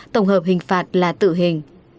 tổng hợp hình phạt là tử hình